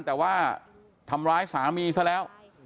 แต่ว่าทำร้ายสามีซะแล้ว